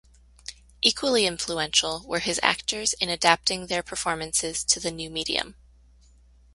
Equally influential were his actors in adapting their performances to the new medium.